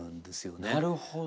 なるほど。